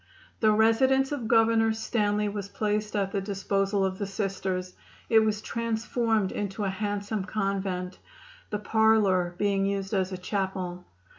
The residence of Governor Stanley was placed at the disposal of the Sisters. It was transformed into a handsome convent, the parlor being used as a chapel.